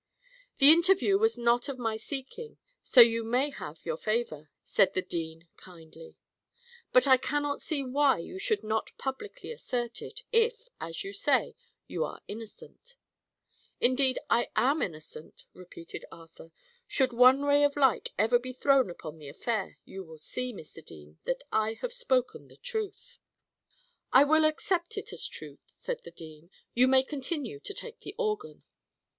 "The interview was not of my seeking, so you may have your favour," said the dean, kindly. "But I cannot see why you should not publicly assert it, if, as you say, you are innocent." "Indeed, I am innocent," repeated Arthur. "Should one ray of light ever be thrown upon the affair, you will see, Mr. Dean, that I have spoken truth." "I will accept it as truth," said the dean. "You may continue to take the organ."